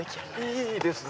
いいですね。